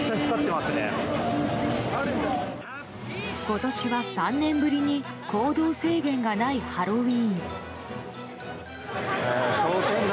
今年は３年ぶりに行動制限がないハロウィーン。